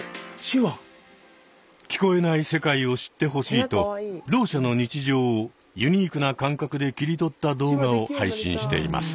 聞こえない世界を知ってほしいとろう者の日常をユニークな感覚で切り取った動画を配信しています。